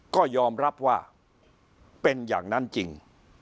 ก็ยอมรับว่าเป็นอย่างนั้นจริง